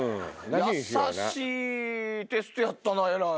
優しいテストやったなえらい。